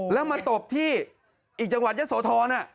แล้วมาตบที่อีกจังหวัดยะโสธร